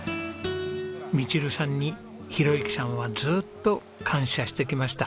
ミチルさんに宏幸さんはずっと感謝してきました。